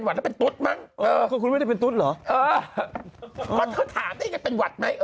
เหมือนเขาถามมั้ยเป็นหวัดไหม